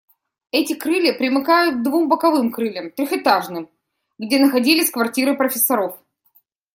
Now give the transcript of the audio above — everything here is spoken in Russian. Эти крылья примыкают к двум боковым крыльям, трехэтажным, где находились квартиры профессоров.